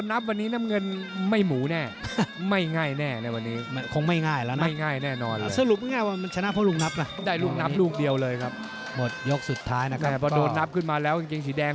นับไปมันก็๒คะแนน